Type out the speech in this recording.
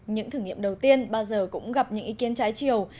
những thử nghiệm đầu tiên bao giờ cũng gặp những ý kiến trái chiều